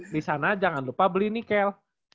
di sana jangan lupa beli nikel